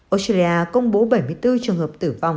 australia công bố bảy mươi bốn trường hợp tử vong